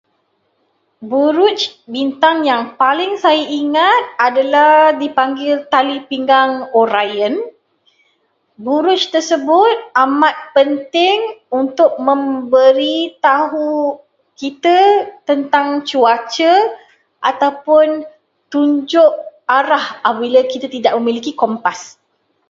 Buruj, bintang yang paling saya ingat adalah dipanggil tali pinggang Orion. Buruj tersebut amat penting untuk memberitahu kita tentang cuaca ataupun tunjuk arah apabila kita tidak memiliki kompas.